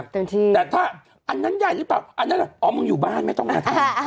แต่ถ้าอันนั้นใหญ่หรือเปล่าอ๋อมึงอยู่บ้านไม่ต้องอาทิตย์